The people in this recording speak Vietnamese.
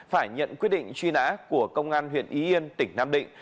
phải nhận quyết định truy nã của công an huyện y yên tỉnh nam định